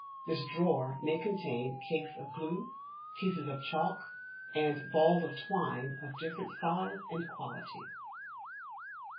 This drawer may contain cakes of glue, pieces of chalk, and balls of twine of different size and quality.